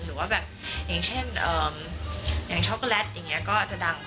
อย่างเช่นช็อกโกแลตก็จะดัง